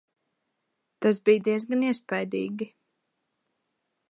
Tas bija diezgan iespaidīgi.